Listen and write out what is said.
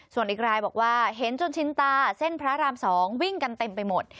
ส่วนอีกรายบอกว่าเห็นจนชินตาเส้นพระราม๒วิ่งกันเต็มไปหมด